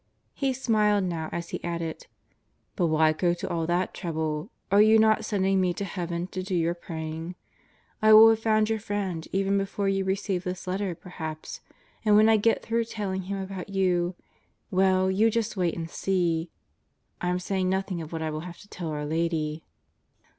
He smiled now as he added: But why go to all that trouble? Are you not sending me to heaven to do your praying? I will have found your Friend even before you receive this letter perhaps, and when I get through telling Him about you well, you just wait and see. I'm saying nothing of what I will have to tell our Lady.